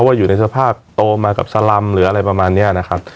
ว่าอยู่ในสภาพโตมากับสลำหรืออะไรประมาณนี้นะครับ